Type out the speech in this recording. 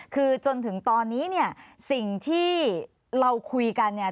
คือจนถึงตอนนี้เนี่ยสิ่งที่เราคุยกันเนี่ย